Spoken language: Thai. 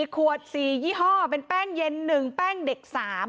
ขวด๔ยี่ห้อเป็นแป้งเย็น๑แป้งเด็ก๓